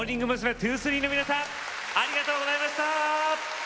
’２３の皆さんありがとうございました。